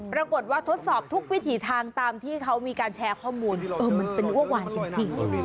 ปรากฏว่าทดสอบทุกวิถีทางตามที่เขามีการแชร์ข้อมูลเออมันเป็นอ้วกวานจริง